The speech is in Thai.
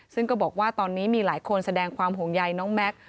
ซึ่งก็บอกว่าตอนนี้มีหลายคนแสดงความห่วงใยน้องแม็กซ์